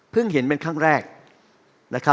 เพิ่งเห็นเป็นขั้นแรก